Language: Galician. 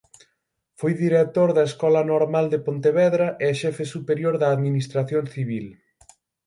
Foi director da Escola Normal de Pontevedra e Xefe superior da Administración civil.